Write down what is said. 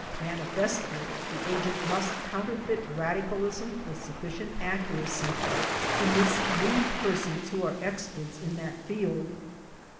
Man ifestly the agent must counterfeit radicalism with suffi cient accuracy to mislead persons who are experts in that field.